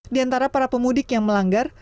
di antara para pemudik yang melanggar